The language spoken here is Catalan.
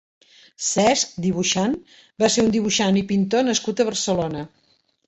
Cesc (dibuixant) va ser un dibuixant i pintor nascut a Barcelona.